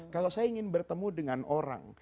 kalau saya ingin bertemu dengan orang